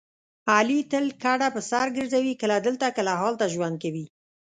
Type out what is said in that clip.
علي تل کډه په سر ګرځوي کله دلته کله هلته ژوند کوي.